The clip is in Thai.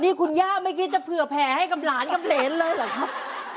นี่คุณย่าไม่คิดจะเผื่อแผลให้กับหลานกับเหรนเลยเหรอครับ